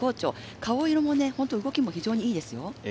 顔色も動きも非常にいいですよね。